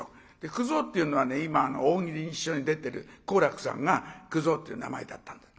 九蔵っていうのは今大喜利に一緒に出てる好楽さんが九蔵っていう名前だったんだ。